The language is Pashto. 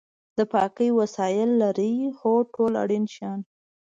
د پاکۍ وسایل لرئ؟ هو، ټول اړین شیان